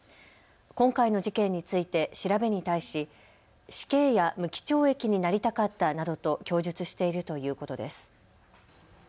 今回の事件について調べに対し死刑や無期懲役になりたかったなどと供述しているということです。